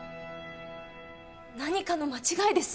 何かの間違いです。